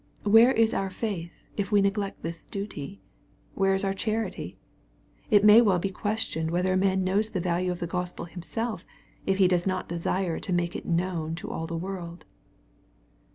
Where is our faith, if we neglect this duty ? Where is our charity ? It may well be questioned whether a man knows the value of the Gospel himself, if he does not desire to make it known to all the world.